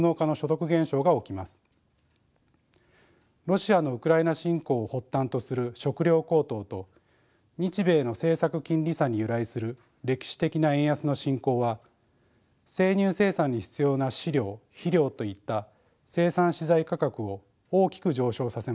ロシアのウクライナ侵攻を発端とする食料高騰と日米の政策金利差に由来する歴史的な円安の進行は生乳生産に必要な飼料・肥料といった生産資材価格を大きく上昇させました。